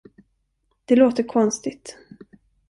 Det låter konstigt.